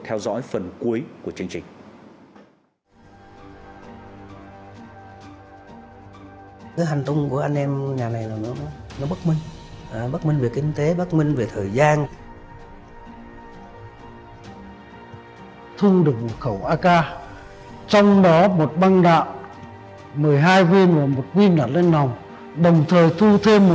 theo dõi phần cuối của chương trình